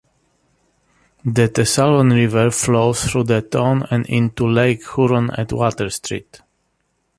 The Thessalon River flows through the town and into Lake Huron at Water Street.